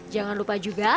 jangan lupa juga